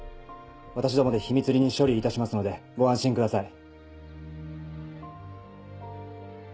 私どもで秘密裏に処理いたしますのでご安心ください。